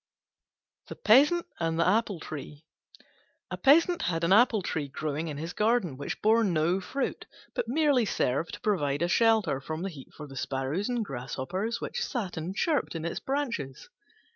THE PEASANT AND THE APPLE TREE A Peasant had an Apple tree growing in his garden, which bore no fruit, but merely served to provide a shelter from the heat for the sparrows and grasshoppers which sat and chirped in its branches.